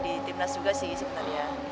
di tim nas juga sih sebenarnya